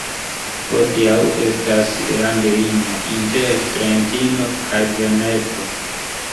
Hodiaŭ estas landlimo inter Trentino kaj Veneto.